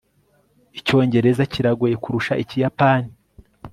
icyongereza kiragoye kurusha ikiyapani